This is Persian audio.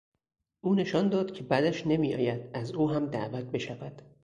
او نشان داد که بدش نمیآید از او هم دعوت بشود.